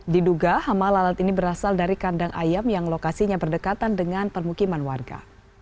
diduga hama lalat ini berasal dari kandang ayam yang lokasinya berdekatan dengan permukiman warga